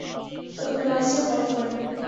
تو مناسب وقت پر۔